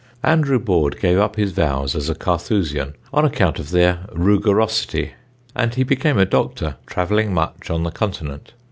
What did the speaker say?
Andrew Boord gave up his vows as a Carthusian on account of their "rugorosite," and became a doctor, travelling much on the Continent.